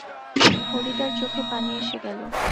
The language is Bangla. ফরিদার চোখে পানি এসে গেল।